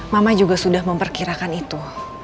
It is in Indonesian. mama juga sudah memperkirakan itu